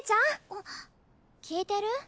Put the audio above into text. あ聞いてる？